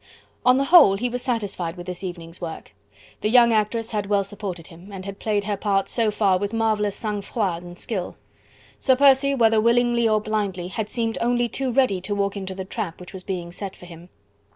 One the whole, he was satisfied with his evening's work: the young actress had well supported him, and had played her part so far with marvellous sang froid and skill. Sir Percy, whether willingly or blindly, had seemed only too ready to walk into the trap which was being set for him.